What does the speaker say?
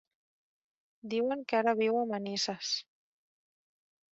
Diuen que ara viu a Manises.